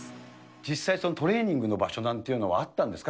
実際、そのトレーニングの場所なんていうのはあったんですか？